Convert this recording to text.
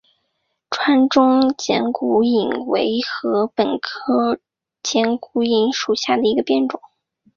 川中剪股颖为禾本科剪股颖属下的一个变种。